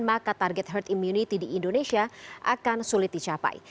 maka target herd immunity di indonesia akan sulit dicapai